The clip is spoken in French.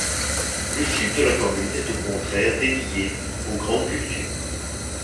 Le sud de la commune est au contraire dédié aux grandes cultures.